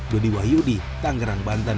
dodi wahyudi tanggerang banten